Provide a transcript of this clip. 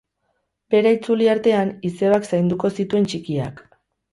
Bera itzuli artean, izebak zainduko zituen txikiak.